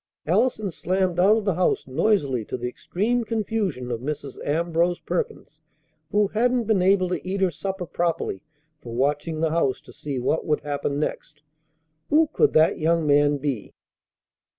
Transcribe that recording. Allison slammed out of the house noisily to the extreme confusion of Mrs. Ambrose Perkins, who hadn't been able to eat her supper properly for watching the house to see what would happen next. Who could that young man be?